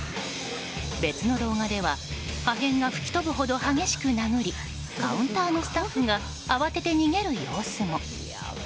別の動画では破片が吹き飛ぶほど激しく殴りカウンターのスタッフが慌てて逃げる様子も。